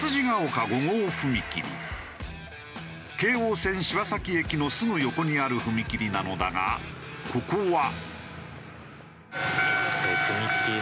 京王線柴崎駅のすぐ横にある踏切なのだがここは。